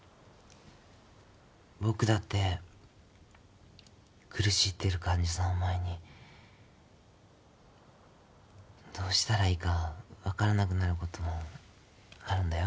僕だって苦しんでる患者さんを前にどうしたらいいか分からなくなることもあるんだよ。